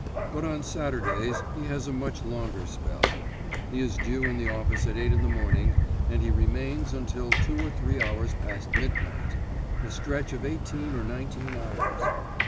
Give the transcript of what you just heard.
But on Saturdays he has a much longer spell; he is due in the office at eight in the morning, and he remains until two or three hours past midnight a stretch of eighteen or nineteen hours.